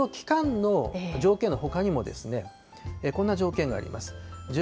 その期間の条件のほかにも、こんな条件があります。